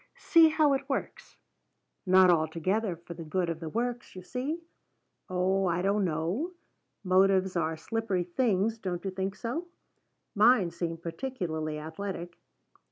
See how it works not altogether for the good of the works, you see? Oh, I don't know. Motives are slippery things, don't you think so? Mine seem particularly athletic.